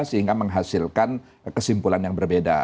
sehingga menghasilkan kesimpulan yang berbeda